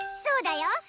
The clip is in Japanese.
そうだよ！